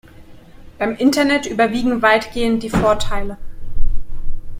Beim Internet überwiegen weitgehend die Vorteile.